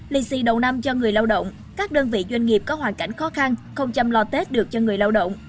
lì xì đầu năm cho người lao động các đơn vị doanh nghiệp có hoàn cảnh khó khăn không chăm lo tết được cho người lao động